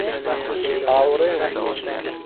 هاوڕێم بوو.